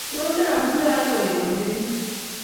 Menae amune aigoek oliu